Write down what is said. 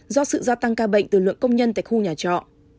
do sự gia tăng ca bệnh từ lượng công nhân tại khu nhà trọ